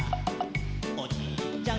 「おじいちゃん